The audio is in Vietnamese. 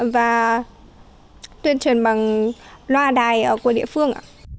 và tuyên truyền bằng loa đài của địa phương